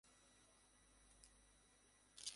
আমাদের পরিবারের কেউ বিয়ে করেনি।